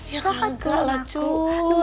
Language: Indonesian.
ya enggaklah cuy